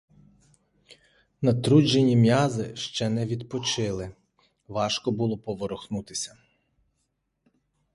Натруджені м'язи ще не відпочили, важко було поворухнутися.